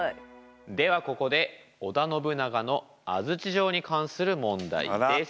ではここで織田信長の安土城に関する問題です。